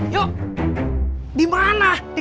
yang lain dimana sih